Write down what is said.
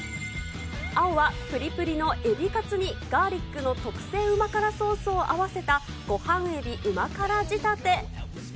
青はぷりぷりのえびカツにガーリックの特製旨辛ソースを合わせたごはん海老旨辛仕立て。